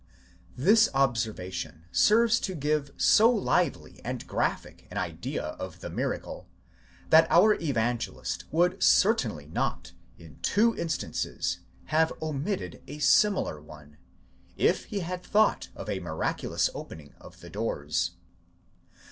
This observation serves to give so lively and graphic an idea of the miracle, that our Evangelist would certainly not, in two instances, have omitted a similar one, if he had thought of a miraculous open ing of the doors.